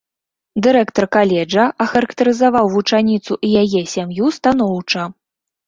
Дырэктар каледжа ахарактарызаваў вучаніцу і яе сям'ю станоўча.